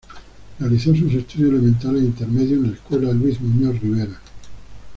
Realizó sus estudios elementales e intermedios en la escuela Luis Muñoz Rivera.